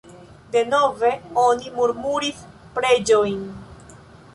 Denove oni murmuris preĝojn.